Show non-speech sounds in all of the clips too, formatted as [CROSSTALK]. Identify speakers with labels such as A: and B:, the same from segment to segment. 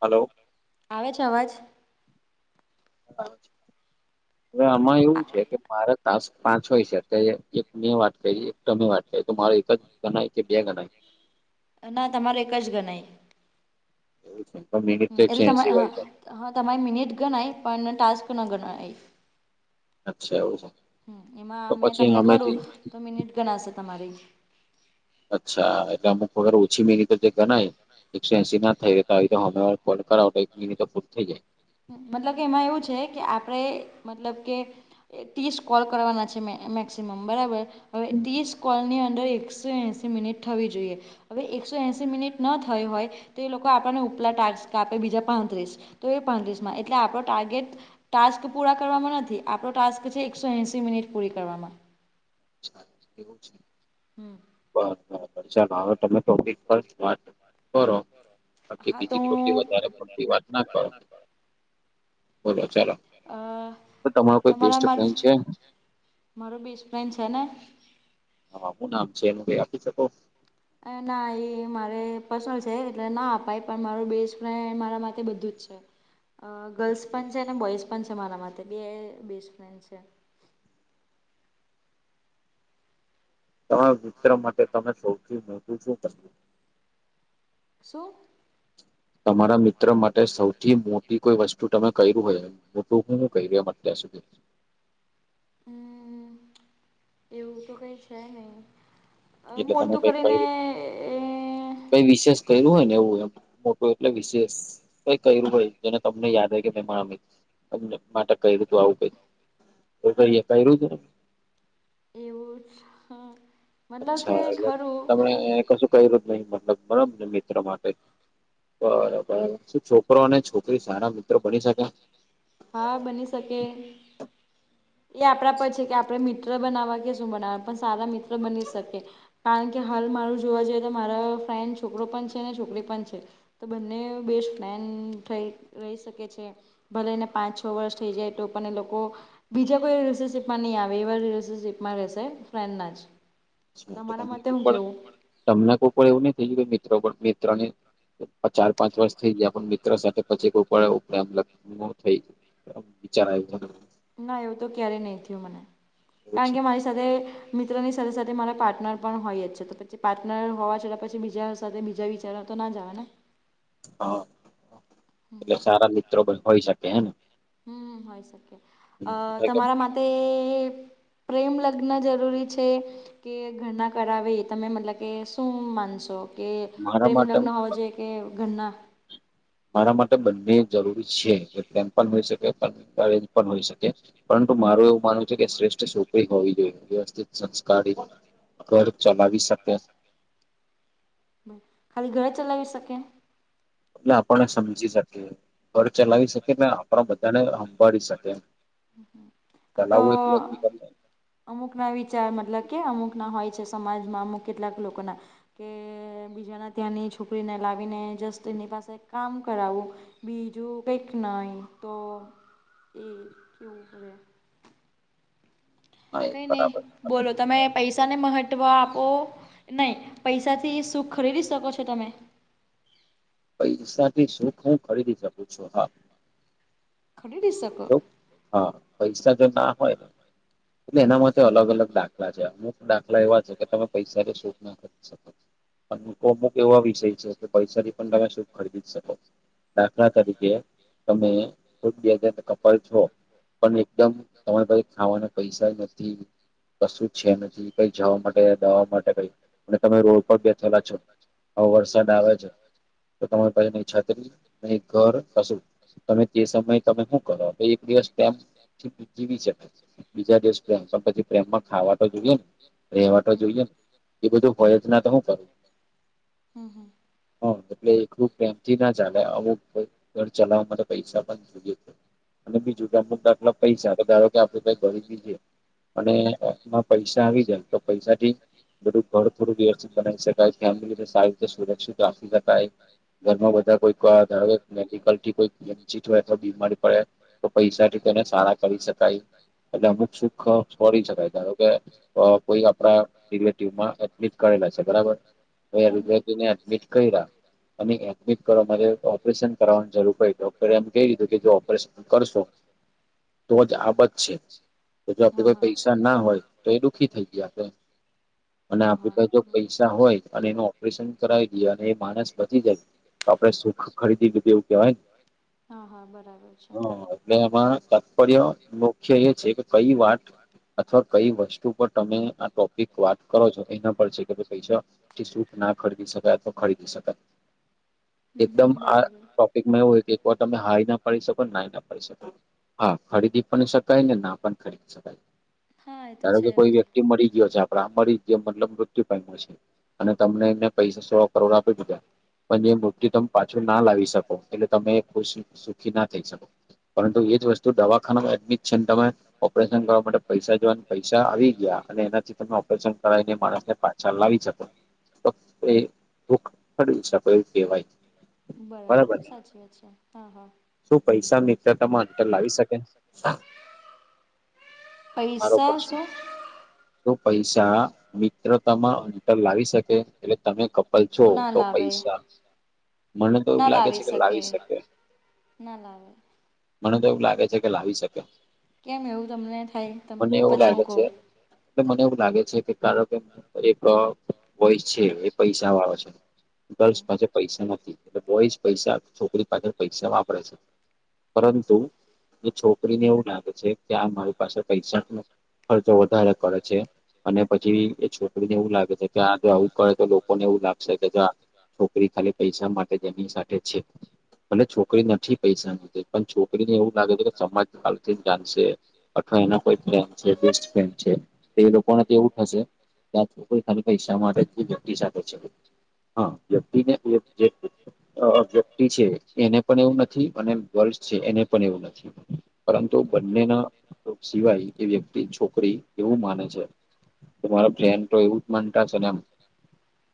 A: Hello.
B: આવે છે, અવાજ?
A: હા આવે છે. એ આમાં એવું છે કે મારા ટાસ્ક પાંચ હોય છે અત્યારે એક ની વાત કરીએ તમે વાત તો માર એક જ ગણાય કે બે ગણાય.
B: ના તમારે એક જ ગણાયં.
A: એવું છે પરમિનિટ તો એક સો
B: એટલે તમારે
A: એહસી હોય
B: હા
A: છે.
B: હા, તમારી મિનિટ ગણાય પણને ટાસ્કના ગણાય.
A: અચ્છા એવો છે.
B: હમ્મ,
A: તો
B: એમાં મેં
A: પછી
B: તમને
A: હમેથી
B: કરું તો મિનિટ ગણાશે તમારી ઈ.
A: અચ્છા, એટલે અમુક વગર ઓછી મિનિટ તો જે ગણાય એકસો એસી ના થઈ રતા હોય તો હમે કોલ કરાવ તો એક મિનિટ તો પૂર થઈ જાય.
B: મતલબ કે એમાં એવું છે કે આપડે મતલબ કે એ ત્રીસ કોલ કરવાના છે મે મેક્સિમમ, બરાબર. હવે ત્રીસ કોલની અંદર એકસો એસી મિનિટ થવી જોઈએ. હવે એકસો એસી મિનિટ ના થઈ હોય તો એ લોકો આપણને ઉપલા ટા કાપે બીજા પાંત્રીસ તો એ પાંત્રીસમાં એટલે આપડો ટાર્ગેટ ટાસ્ક પૂરા કરવામાં નથી આપણો ટાસ્ક છે, એકસો એશી મિનિટ પૂરી કરવામાં.
A: એવું છે.
B: હમ્મ.
A: બસ બરાબર ચાલો હવે તમે [UNINTELLIGIBLE] કરો, બાકી
B: હા તો
A: બીજી
B: હું
A: ખોટી વધારે પતી વાત ના કરો. બોલો ચાલો,
B: અ
A: તમારો કોઈ
B: તમારા
A: બેસ્ટ ફ્રેન્ડ
B: માટ
A: છે.
B: મારો બેસ્ટ ફ્રેન્ડ છે ને.
A: હા, હું નામ છે એનું કઈ આપી શકો.
B: ના એ મારે પર્સનલ છે, એટલે ના અપાય પણ માર બેસ્ટ ફ્રેન્ડ મારા માટે બધું જ છે. ગર્લ્સ પણ છે અને બોઇઝ પણ છે, મારા માટે બે બેસ્ટ ફ્રેન્ડ છે.
A: તમારા મિત્ર માટે સૌથી [UNINTELLIGIBLE]
B: શું.
A: તમારા મિત્ર માટે સૌથી મોટી કોઈ. તું તમે કર્યું હોયું હું [UNINTELLIGIBLE] એમત [UNINTELLIGIBLE]
B: હમ, એવું તો કઈ છે નહી. અ
A: એટલે તમે
B: મોટું
A: કઈ
B: કરીને.
A: કર્યું કઈ વિશેષ કર્યું હોય ને એવું એમ મોટું એટલે વિશેષ. કઈ કર્યું હોય, જેને તમને યાદ હો કે મે. [UNINTELLIGIBLE] કર્યું તું આવું ક એ ક ક્યું ને.
B: એવું જ હા.
A: અચ્છા, એટલે તમને. કર્યું જ નહી [UNINTELLIGIBLE] મિત્ર માટે બરોબર છે. છોકરો અને છોકરી સારા મિત્રો બની શકે.
B: હા બની શકે. એ આપણા પર છે કે, આપડણે મિત્ર બનાવવા કે શું બનાવવા પણ સારા મિત્ર બની શકે. કારણ કે હાલ મારું જોવા જઈએ તો મારા ફ્રેન્ડ છોકરો પણ છે ને છોકરી પણ છે. તો બંને બેસ્ટ ફન થઈ રહી શકે છે, ભલે. પાંચ છ વર્ષ થઈ જાય તો પણ એ લોકો. બીજા કોઈ રિલેશનશીપમાં નહીં આવે, એવા રલેશનશીપમાં રહેશે ફ્રેન્ડના જ.
A: અચ્છા, તો
B: તમારા
A: તમને
B: મતે
A: કોઈ
B: હું કેવું.
A: તમને કોઈ પણ એવું નહી થયું મિત્રો મિત્રને. ચાર પાંચ વર્ષ થઇ ગયા પણ મિત્ર સાથે પછી કોઈ પણ [UNINTELLIGIBLE] વિચાર આયવો તમને.
B: ના એવું તો ક્યારેય નહી થયું મને,
A: એવું
B: કારણ
A: છે
B: કે. સાથે મિત્રોની સાથે સાથે મારા પાર્ટનર પણ હોય જ છે, તો પછી પાર્ટનર હોવા છતાં પછી બીજા સાથે બીજા. [UNINTELLIGIBLE]
A: હા, એટલે સારા મિત્રો પણ હોય શકે એમ.
B: હમમ હોય શકે, અ
A: એટલે કે
B: તમારા માટે. પ્રેમ લગ્ન જરૂરી છે. કે ઘરના કરાવે એ, તમે મતલબ કે શું માનશો. કે
A: મારા
B: પ્રેમ
A: માટે
B: લગ્ન હોવો જોઈએ કે ઘરના.
A: મારા માટે બંને જરૂરી છે, [UNINTELLIGIBLE] પણ હોઈ શકે [UNINTELLIGIBLE] પણ હોઈ શકે. પરંતુ, મારું એવું માનવું છે કે શ્રેષ્ઠ છોકરી હોવી જોઈએ વ્યવસ્થિત સંસ્કારી ઘર. ચલાવી શકે.
B: ખાલી ઘર જ ચલાવી શકે.
A: એટલે આપણને સમજી શકીએ ઘર ચલાવી શકી ને આપડા બધાને હાભાળી શકીએ.
B: કતો અમુક ના વિચાર મતલબ કે અમુક ના હોય છે સમાજમાં અમુક કેટલાક લોકોના કે બીજાના ત્યાંની છોકરીને લાવીને જસ્ટ એની પાસે કામ કરાવું બીજું કઈક નઈ તો એ કેવું હોય
A: હા એ
B: કઈ નહી
A: બરાબર છે
B: બોલો.
A: જે
B: તમે
A: કહેવા માંગો
B: પૈસાને
A: છો
B: મહત્વ આપો નહીં પૈસાથી સુખ ખરીદી શકો છો તમે?
A: પૈસા થી સુખ હું ખરીદી શકું છું હા.
B: ખરીડી શક
A: જો હા પૈસા જો ના હોય ને એટલે એના માટે અલગ અલગ દાખલા છે અમુક દાખલા એવા છે કે તમે પૈસા જે સુખ ના સમજ અમુ તો અમુક એવા વિષય છે કે પૈસાથી પણ તમે શું ખરીદી જ શકો છો. દાખલા તરીકે તમે કોઈ ભી કર છો પણ એકદમ તમારી પાસે ખાવાના પૈસા નથી કશું છે નથી કઈ જવા માટે દવા માટે કઈ અને તમે રોડ પર બેઠેલા છો હવે વરસાદ આવે છે તો તમારી પાસે નઈ છાત્રી નહીં ઘર કશું તમે તે સમયે તમે હું કરે એક દિવસ પ્રમથી જીવી શકે બીજા દિવસ પ્રમ પણ પછી પ્રેમમાં ખાવા કોઈ જોઈએ ને એ વા જોઈએ ને બધું હોય જ તો હું કરું?
B: હમ્મ હમ્મ.
A: હા એટલે એલું પ્રેમથી ના જલે આવું ઘર ચલાવવા માટે પૈસા પણ જોઈએ છે. અને બીજું કે મુદ્દાખલા પૈસા ધારો કે આપડે કઈ ખરીદી જે અને એમાં પૈસા આવી જાય તો પૈસાથી બધું ઘર થોડું વ્યવસ્થિત બનાવી શકાય ફેમિલીને સારી રીતે સુરક્ષિત રાખી શકાય. ઘરમાં બધા કોઈ ધો ધારો મેડિકલ થી કોઈ વચિત હોય અથવા બીમારી પડે તો પૈસા જે તને સારા
B: સારા ક શકાય
A: એટલે અમુક સુખ ફોડી શકાય ધારો કે અહ કોઈ આપડા રિલેટિવ માં એમ કરેલા છે બરાબર? તો
B: હમ
A: રુજરાતીને એડમિટ કર્યા અને એ એડમિટ કરો મારે ઓપરેશન કરવાની જરૂર પડ ડોક્ટરે એમ કહી દીધું કે જો ઓપરેશન કરશો તો જ આબત છે. તો જો
B: હા
A: આપડે
B: હા
A: પૈસા ના હોય, તો એ દુઃખી થઈ ગયા કે. અને
B: હા
A: આપડી પાસે
B: હા
A: પૈસા હોય અને એનું ઓપરેશન કરાવી દઈએ અને એ માનસ બચી જાય તો આપડે સુખ ખરીદી લીધું એવું કેહેવાય ને?
B: હા હા બરા
A: હા. એટલે એમાં તાત્પર્ય મુખ્ય એ છે કે કઈ વાત અથવા કઈ વસ્તુ પર તમે આ ટોપિક વાત કરો છો. એના પર છે કે પૈસા થી કઈ સૂટ ના ખરીદી શકાય અથવા ખરીદી શકાય?
B: હમ
A: એકદમ
B: હમ
A: આ
B: બરાબર
A: ટોપિકમાં એવું હોય કે એક વાર તમે હારી ના પાડી શક પણ ના એ ના શકો. હા ખરીદી પણ શક કઈને ના પણ ખરીદી શકાય
B: હા એ તો
A: ધારો
B: છે
A: કે કોઈ
B: વરી
A: વ્યક્તિ મળી ગયો છે આપ બાહ્ણિક જે મતલબ મૃત્યુ પામ્યો છે અને તમને એને પૈસા સો કરોડ આપી દીધા પણ જે મૂર્તિ તમે પાછું ના લાવી શકો એટલે તમે ખુશ સુખી ના થઈ શકો પરંતુ એજ વસ તો દવાખાનામાં એડમિટ છે, તમે ઓપરેશન કરવા માટે પૈસા જોવા, પૈસા આવી ગયા અને એનાથી ત ઓપરેશન કરાવીને, માણસને પાછા લાવી શકો. ભૂખ ફળવી શકો, એવ કેહેવાય.
B: બરાબર, સાચી વાત છે, હા હા.
A: શું પૈસા મિત્રતામાં અંતર લાવી શકે? મારો
B: પૈસા
A: પ્રશ્ન?
B: શું
A: જો પૈસા મિત્રતામાં અંતર લાવી શકે, એટલે તમે ક પછો
B: ના
A: તો
B: લાવે
A: પૈસા મને તો એવું લાગે છે કે, લાવી શકે.
B: ના લાવે.
A: મને તો એવું લાગે છે કે, લાવી શકે.
B: કેમ એવું તમને થાય, તમે કહો પછી હું કહું?
A: એટ મને એવું લાગે છે કે કારક? એક વય છે, એ પૈસા વાળો છે. ગર્લ્સ પાસે પૈસા નથી, એટલે બોય પૈસા છોકરી પાસે પૈસા વાપરે છે. પરંતુ એ છોકરીને એવું લાગે છે કે, આ મારી પાસે પૈસા નથી. ખર્ચો વધારે કરે છે, અને પછી એ છોકરીને એવું લાગે છે. ત્યાં જો આવવું કડે તો લોકો ને ઉ લ છોકરી ખાલી પૈસા માટે જેની સાથે છે, અને છોકરી છી પૈસા પણ છોકરીને એવું લાગે છે કે, સમાજ હાલથી જ જાણશે. અઠ એ ફ બેસ્ટ ફ છે, એ લોકો એવ થશે. ત્યાં ખાલી પૈસા માટે શ છે. હા, વ્યક્તિને વ્યક્તિ છે, એને પણ એવું નથી. અને વર્ષ એને પણ નથી. પરંતુ બંનેના સિવાય એ વ્યક્તિ છોકરી એવું માને છે. તમારો ફ્રેન તો એવું જ માનતા છે ને, એમ.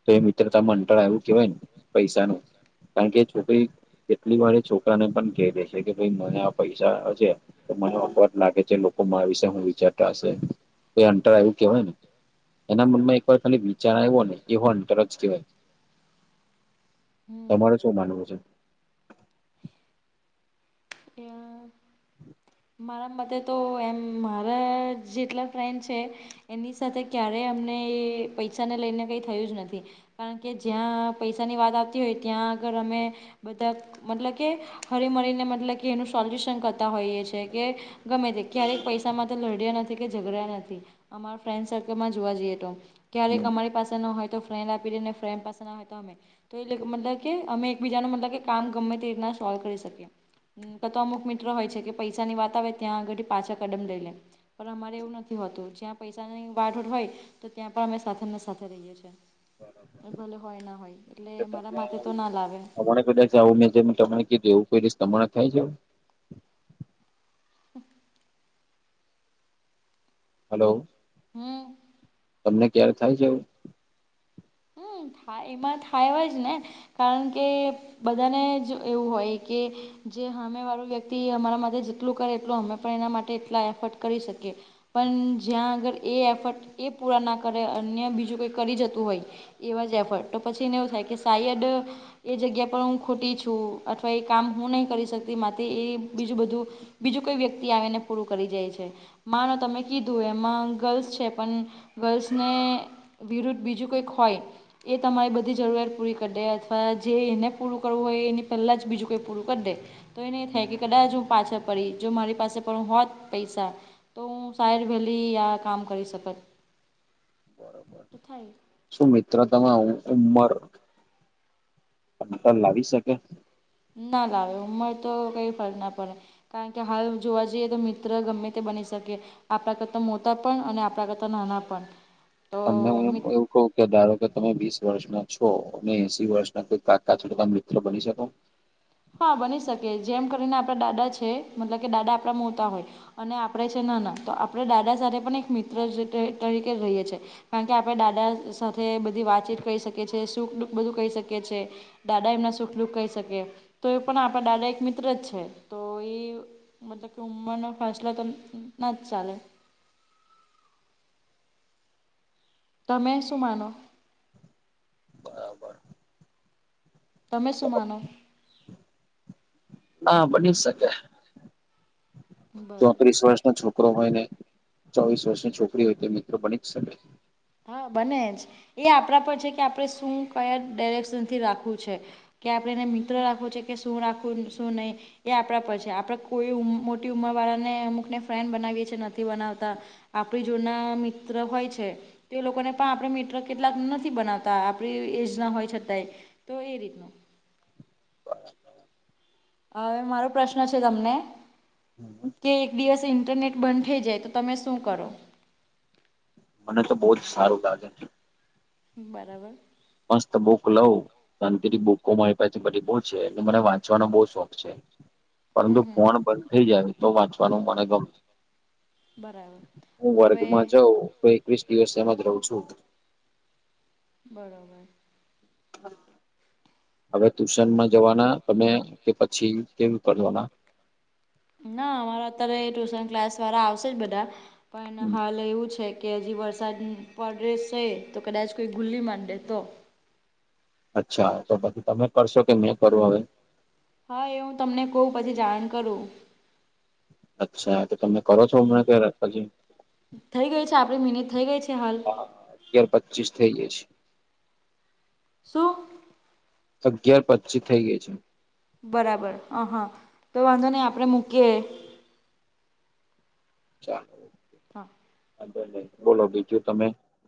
A: તો એ મિત્ર ત મંટળ આવું કેહેવાય ને પૈસા ન [UNINTELLIGIBLE] કારણ કે છોકરી કેટલી વાર છોકરાને પણ કહી દે છે. કે ભાઈ, મને આ પૈસા હશે. તો મને અગવાજ લાગે છે, લોકો મા વિશે હું વિચારતા હશે, તો એન્ટર આવું કેવાય ને. એના મનમાં એક વાર ખાલી વિચાર આવ્યો ને, એવો અંતર જવાય.
B: હમ
A: તમારે શું માનવું છે?
B: એ. મારા મતે તો એમ મારા જેટલા ફ્રેન્ડ છે. એની સાથે ક્યારે અમને એ પૈસાને લઈને કઈ થયું જ નથી. કારણ જ્યાં પૈસાની આવતી હોય, ત્યાં આગળ અમે બધા મતલબ કે, હળ મળીને, મતલબ કે એનું સોલ્યુશન કરતા હોઈએ છે. કે ગમે તે ક્યારેક પૈસામાં તો લડ્યા નથી કે, ઝઘડ્યા નથી. અમા ફ્રેન્ડ સર્કલમાં જોવા જઈએ તો, ક્યારેક
A: હમ
B: અમારી પાસે ન હોય તો. ફ્રેન્ડ આપીઈને ફ્રેન્ડ પાસેના હોય તો અમે તો એ મતલબ કે, અમે એકબીજાનું મતલબ કે, કામ ગમે તે રીતના સોલ્વ કરી શકીએ. કતો અમુક મિત્ર હોય છે કે, વાત આવે, ત્યાં પાછા એકદમ લઇ લે. પણ અમારે એવું નથી હોતું, જ્યાં પૈસાની વાઢોળ હોય. તો ત્યાં પણ અમે સાથે ને સાથે રહીએ છીએ. ભલે હોય ના હોય, એટલે મારા માટેથી તો ના લાવે.
A: તમા કાચ જાવું ને, જે તમને ક એવું કઈ રશ તમારે થાય જેવું.
B: [UNINTELLIGIBLE]
A: હલો.
B: હા.
A: તમને ક્યારે થાય છે, એવું?
B: હમ્મ થાય, એમાં થાય, એવા જ ને કારણ કે બધાને જ એવું હોય કે, જે હમે વાળું વ્યક્તિ અમારા માટે જેટલું કરે, એટલું અમે. પણ એના માટે એટલા એફર્ટ કરી શકીએ. પણ જ્યાં આગળ એ એફર્ટ એ પૂરા ના કરે, અન્ય બીજું કોંઈ કરી જતું હોય. એવા જ એફટ તો પછી ને, એવું થાય કે સાયદ. એ જગ્યા પર, હું ખોટી છું, અથવા એ કામ હું નહી કરી શકતી માટે એ બીજું બધું. બીજું કોઈ વ્યક્તિ આવીને પૂરું કરી જાય છે. માનો તમે કીધું એમાં ગર્લ્સ છે, પણ ગર્લ્સને વિરુદ્ધ બીજું કઈક હોય. એ તમારી બધી જરૂરિયાત પૂરી કરી દે, અથવા જે એને પૂરું કરવું હોય, એની પહેલાં જ બીજું કંઈ પૂરું કરી દે. તો એ નહી થાય કે, કદાચ હું પાછળ પડી જો મારી પાસે પડ હોત પૈસા. તો હું સાહેર વહેલી યા કામ કરી શકે.
A: શું મિત્ર તમે ઉમર અ પણ લાવી શકે?
B: ના લાવે, ઉંમર તો કઈ ફર ના પડે. કારણ કે, હાલ જોવા જઈએ તો, મિત્ર ગમે તે બની શકે. આપણા કરતા મોતા પણ અને આપણા કરતા નાના પણ. તો
A: તમ
B: મિત
A: [UNINTELLIGIBLE] કે ધારો કે, તમે વીસ વર્ષ ના છો, અને એસી વર્ષના કોઈ કાકા છોડતા મિત્ર બની શકો.
B: હા બની શકે, જેમ કરીને આપણા દાદા છે, મતલબ કે, દાદા આપણા મોતા હોય. અને આપણે છે, નાના તો આપણે દાદા સાથે પણ એક મિત્ર તરીકે રહીએ છીએ. કારણ કે, આપણે દાદા સાથે બધી વાતચીત કરી શકીએ છીએ, શું બધું કરી હી શકીએ છીએ. દાદા એમના સુખલુખ કહી શકે તો, એ પણ આપણા દાદા એક મિત્ર જ છે, તો એ મતલબ કે, ઉંમર ન ફસલો તો ના જ ચાલે. શું?
A: બરાબર.
B: તમે શું માનો?
A: શકે.
B: બરાબર
A: ચોત્રીસ વર્ષનો છોકરો હોય ને, ચોવીસ વર્ષની છોકરી હોય તે, મિત્રો બની જ શકે.
B: હા, બને જ એ આપણા પર છે કે, આપણે શું કયા ડાયરેક્શનથી રાખવું છે? કે આપણે એને મિત્ર રાખવું છે કે, શું રાખવું? શું નહીં? એ આપણા પર છે, આપણે કોઈ મોટી ઉંમર વાળાને અમુકને ફ્રેન્ડ બનાવીએ છેએ નથી બનાવતા. આપડી જુના મિત્ર હોય છે. તે લોકોને પણ આપણે મીટર કેટલાક નથી બનાવતા, આપણી એજના હોય છતાંય તો એ રીતનું. હવે મારો પ્રશ્ન છે તમને.
A: હમ.
B: કે એક દિવસ ઇન્ટરનેટ બંધ થઈ જાય તો, તમે શું કરો?
A: મને તો બહુ જ સારું લાગે છે.
B: બરાબર.
A: મસ્ત બુક લઉ અનેપછી બુકો મારી પાસે બધી બઉ છે, અને મને વાંચવાનો બહુ શોખ છે. પરંતુ
B: હમ હમ
A: ફોન બંધ થઇ જાય તો, વાંચવાનું મને ગમે.
B: બરાબર
A: હું
B: હવે
A: વર્ગમાં જાઉં તો એકવીસ દિવસ એમાં જ રહું છું.
B: બરોબર.
A: [INAUDIBLE] હવે ટ્યુશનમાં જવાના તમે કે પછી કેવી કરવાના?
B: ના અમારા અત્યારે ટ્યુશન ક્લાસ વાળા આવશે જ બધા પણ હાલ એવું છે કે હજી વરસાદ પડેસે તો કદાચ કોઈ ગુલ્લી મારડે તો.
A: અચ્છા તો પછી તમે કરશો કે મેં કરું હવે?
B: હા એ હું તમને કહું પછી જાણ કરું.
A: અચ્છા તો તમે કરો છો હમણાં કે પછી?
B: થઈ ગઈ છે, આપણી મિનત થઈ ગઈ છે હાલ.
A: હા અગિયાર પચીસ થઇ ગઈ છે.
B: સું?
A: અગિયાર પચી થઇ ગઈ છે.
B: બરાબર, હ હ તો વાંધો નહી આપણે મૂકીએ.
A: ચાલ.
B: હા.
A: [INAUDIBLE] બોલો બીજું તમે?